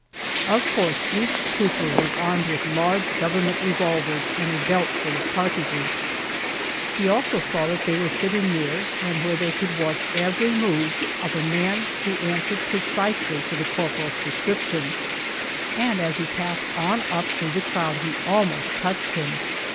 Of course each trooper was armed with large government revolvers and a belt full of cartridges. He also saw that they were sitting near, and where they could watch every move of a man who answered precisely to the corporal's description, and as he passed on up through the crowd he almost touched him.